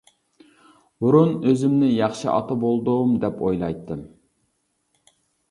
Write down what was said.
بۇرۇن ئۆزۈمنى ياخشى ئاتا بولدۇم دەپ ئويلايتتىم.